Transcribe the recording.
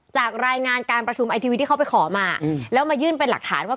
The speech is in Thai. จากรายงานการประชุมไอทีวีที่เขาไปขอมาแล้วมายื่นเป็นหลักฐานว่า